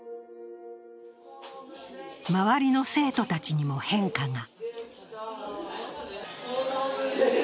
周りの生徒たちにも変化が。